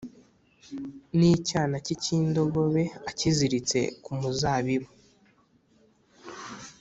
N icyana cye cy indogobe akiziritse ku muzabibu